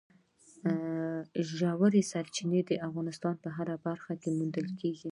ژورې سرچینې د افغانستان په هره برخه کې موندل کېږي.